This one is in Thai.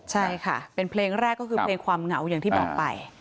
ใช่ค่ะเป็นเพลงแรกก็คือเพลงความเหงาอย่างที่บอกไป